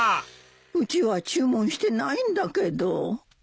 うちは注文してないんだけど。